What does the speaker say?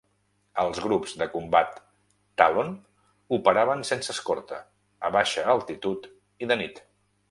Els grups del Combat Talon operaven sense escorta, a baixa altitud i de nit.